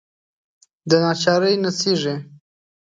دناچارۍ نڅیږې